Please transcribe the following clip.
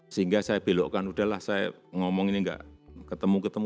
sehingga saya belokkan udahlah saya ngomong ini enggak ketemu ketemu